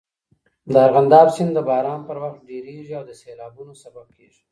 د ارغنداب سیند د باران پر وخت ډېریږي او د سیلابونو سبب کېږي.